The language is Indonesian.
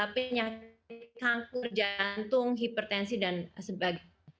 penyakit kanker jantung hipertensi dan sebagainya